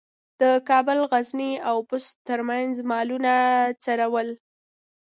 د کابل، غزني او بُست ترمنځ مالونه څرول.